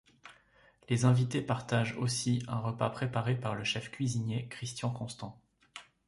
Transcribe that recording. Les invités partagent aussi un repas préparé par le chef cuisinier Christian Constant.